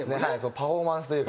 パフォーマンスというか。